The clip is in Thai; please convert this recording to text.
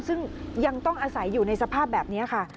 ซึ่งยังต้องอาศัยอยู่ในสภาพแบบนี้ค่ะ